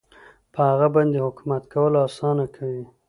پر هغه باندې حکومت کول اسانه کوي.